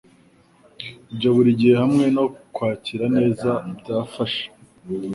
Ibyo burigihe hamwe no kwakirwa neza byafashe